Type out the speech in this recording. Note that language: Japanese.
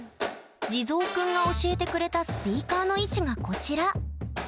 地蔵くんが教えてくれたスピーカーの位置がこちら。